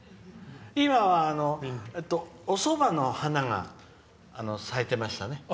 今はおそばの花が咲いてましたね。